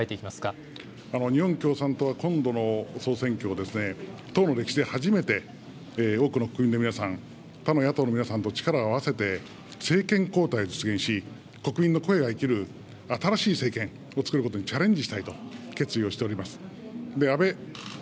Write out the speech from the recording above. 共産党として、何を最も訴えてい日本共産党は、今度の総選挙を、党の歴史で初めて、多くの国民の皆さん、他の野党の皆さんと力を合わせて政権交代を実現し、国民の声が生きる新しい政権をつくることにチャレンジしたいと決意をしております。